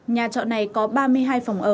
nhà trọ này có ba mươi hai phòng ở